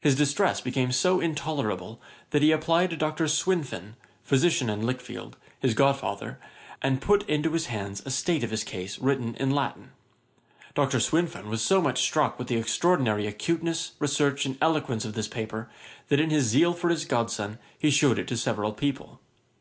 His distress became so intolerable, that he applied to Dr. Swinfen, physician in Lichfield, his god father, and put into his hands a state of his case, written in Latin. Dr. Swinfen was so much struck with the extraordinary acuteness, research, and eloquence of this paper, that in his zeal for his godson he shewed it to several people.